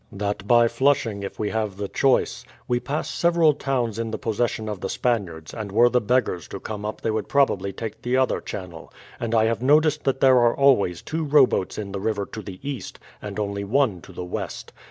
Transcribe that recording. "That by Flushing, if we have the choice. We pass several towns in the possession of the Spaniards, and were the beggars to come up they would probably take the other channel. And I have noticed that there are always two rowboats in the river to the east, and only one to the west.